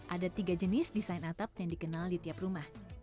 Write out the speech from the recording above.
ada tiga jenis desain atap yang dikenal di tiap rumah